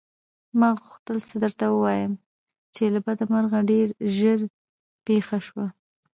ما غوښتل څه درته ووايم چې له بده مرغه ډېر ژر پېښه شوه.